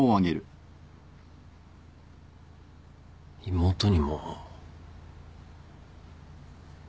妹にも。